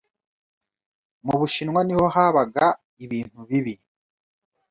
Mu Bushinwa niho habaga ibintu bibi